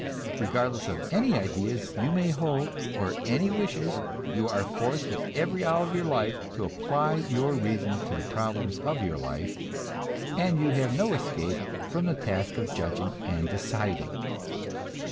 Regardless of any ideas you may hold, or any wishes, you are forced at every hour of your life to apply your reason to the problems of your life, and you have no escape from the task of judging and deciding.